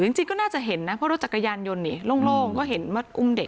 จริงก็น่าจะเห็นนะเพราะรถจักรยานยนต์นี่โล่งก็เห็นมาอุ้มเด็ก